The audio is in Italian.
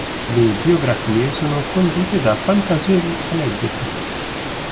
Le biografie sono condite da fantasiosi aneddoti.